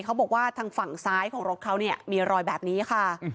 เขาบอกว่าทางฝั่งซ้ายของรถเขาเนี่ยมีรอยแบบนี้ค่ะ